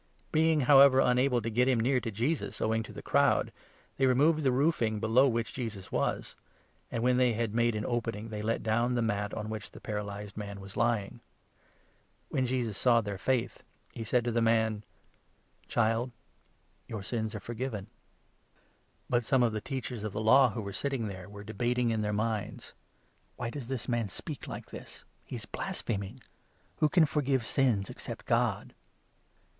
Being, however, unable 4 to get him near to Jesus, owing to the crowd, they removed the roofing below which Jesus was ; and, when they had made an opening, they let down' the mat on which the paralyzed man was lying. When Jesus saw their faith, he said to the man : 5 ' Child, your sins are forgiven." »:_: 44 Lev. 13. 49. 8 MARK, 2. But some of the Teachers of the Law who were sitting there 6 were debating in their minds :" Why does this man speak like this ? He is blaspheming ! 7 Who can forgive sins except God